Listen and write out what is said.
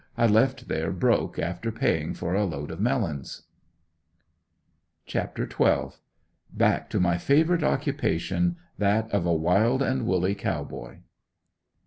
I left there broke after paying for a load of melons. CHAPTER XII. BACK TO MY FAVORITE OCCUPATION, THAT OF A WILD AND WOOLLY COW BOY.